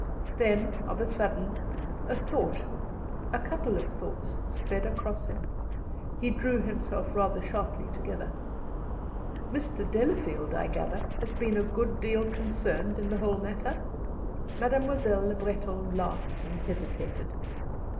Then, of a sudden, a thought a couple of thoughts sped across him. He drew himself rather sharply together. "Mr. Delafield, I gather, has been a good deal concerned in the whole matter?" Mademoiselle Le Breton laughed and hesitated.